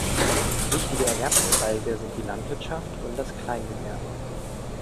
Wichtige Erwerbszweige sind die Landwirtschaft und das Kleingewerbe.